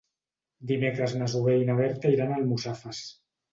Dimecres na Zoè i na Berta iran a Almussafes.